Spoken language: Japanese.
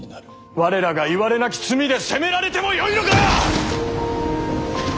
我らがいわれなき罪で責められてもよいのか！